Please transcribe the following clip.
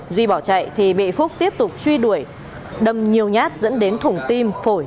duy bỏ chạy thì bị phúc tiếp tục truy đuổi đâm nhiều nhát dẫn đến thủng tim phổi